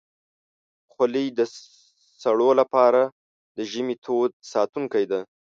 خولۍ د سړو لپاره د ژمي تود ساتونکی ده.